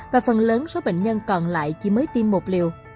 và phần lớn số bệnh nhân còn lại chỉ mới tiêm một liều